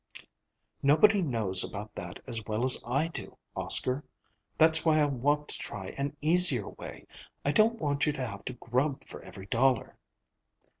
"Nobody knows about that as well as I do, Oscar. That's why I want to try an easier way. I don't want you to have to grub for every dollar."